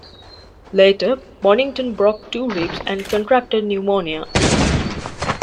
Later, Bonington broke two ribs and contracted pneumonia.